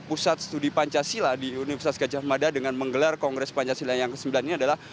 pusat studi pancasila di universitas gajah mada dengan menggelar kongres pancasila yang ke sembilan ini adalah